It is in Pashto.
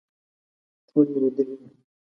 ټول مې لیدلي دي.